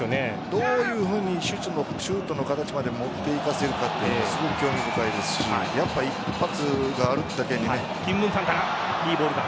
どういうふうにシュートの形まで持って行かせるかというのがすごく興味深いですし一発があるだけに。